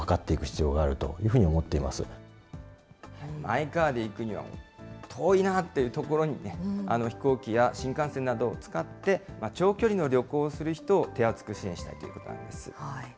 マイカーで行くには遠いなという所にね、飛行機や新幹線などを使って、長距離の旅行をする人を手厚く支援したいということなんです。